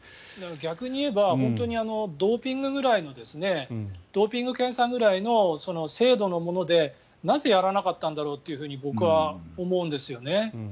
逆に言えば本当にドーピングぐらいのドーピング検査ぐらいの精度のものをなぜ、やらなかったんだろうと僕は思うんですよね。